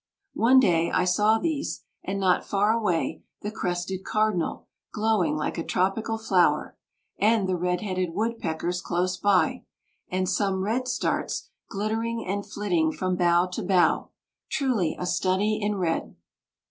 One day I saw these, and not far away, the crested cardinal, glowing like a tropical flower, and the red headed woodpeckers close by, and some redstarts glittering and flitting from bough to bough, truly a study in red!